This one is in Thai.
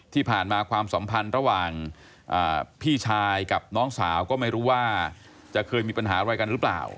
ที่ผ่านมาความสัมพันธ์ระหว่างพี่ชายกับน้องสาวก็ไม่รู้ว่าจะเคยมีปัญหาอะไรกันหรือเปล่า